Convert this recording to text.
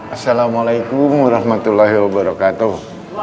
assalamualaikum warahmatullahi wabarakatuh